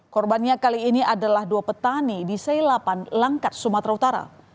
korbannya kali ini adalah dua petani di seilapan langkat sumatera utara